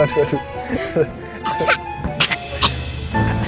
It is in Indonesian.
aduh aduh aduh